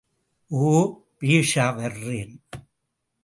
ஓ, பேஷா வர்றேன்.